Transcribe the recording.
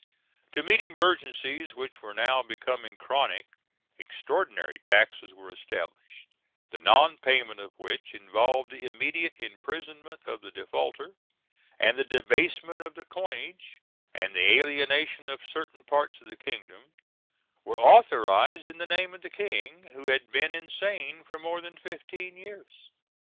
To meet emergencies, which were now becoming chronic, extraordinary taxes were established, the non payment of which involved the immediate imprisonment of the defaulter; and the debasement of the coinage, and the alienation of certain parts of the kingdom, were authorised in the name of the King, who had been insane for more than fifteen years.